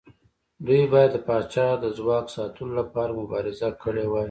دوی باید د پاچا د ځواک ساتلو لپاره مبارزه کړې وای.